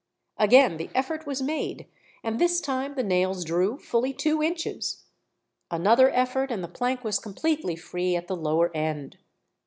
Again the effort was made, and this time the nails drew fully two inches. Another effort, and the plank was completely free at the lower end.